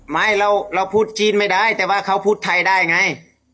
ไม่เราพูดจีนไม่ได้แต่ว่าเขาพูดไทยได้ไง